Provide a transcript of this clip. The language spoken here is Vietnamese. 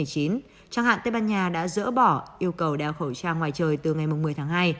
chẳng hạn tây ban nha đã dỡ bỏ yêu cầu đeo khẩu trang ngoài trời từ ngày một mươi tháng hai